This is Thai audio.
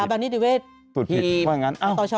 สถาบันนิติเวช